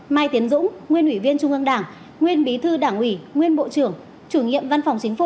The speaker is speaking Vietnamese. mai tiến dũng nguyên ủy viên trung ương đảng nguyên bí thư đảng ủy nguyên bộ trưởng chủ nhiệm văn phòng chính phủ